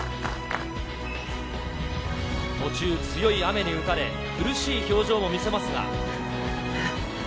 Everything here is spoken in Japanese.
途中、強い雨に打たれ、苦しい表情も見せますが。